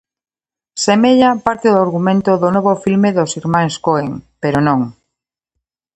Semella parte do argumento do novo filme dos irmáns Coen, pero non.